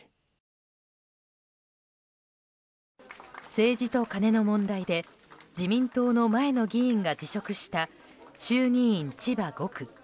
政治とカネの問題で自民党の前の議員が辞職した衆議院千葉５区。